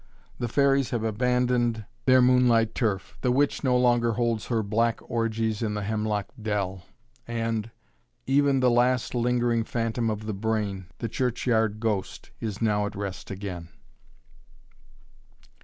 The fairies have abandoned their moonlight turf; the witch no longer holds her black orgies in the hemlock dell; and Even the last lingering phantom of the brain, The churchyard ghost, is now at rest again.